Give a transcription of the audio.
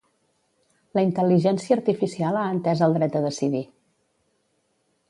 La intel·ligència artificial ha entès el dret a decidir